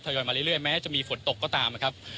ยอยมาเรื่อยแม้จะมีฝนตกก็ตามนะครับ